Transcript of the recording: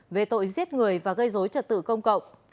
về tội giết người và gây dối trật tự công cộng